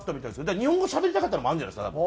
だから日本語しゃべりたかったのもあるんじゃないですか？